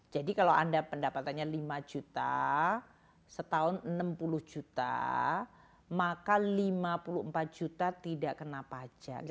jadi kalau anda pendapatannya lima juta setahun enam puluh juta maka lima puluh empat juta tidak kena pajak